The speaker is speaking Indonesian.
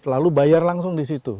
lalu bayar langsung disitu